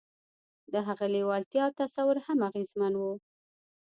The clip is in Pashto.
د هغه لېوالتیا او تصور هم اغېزمن وو